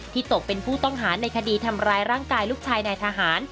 ตกเป็นผู้ต้องหาในคดีทำร้ายร่างกายลูกชายนายทหาร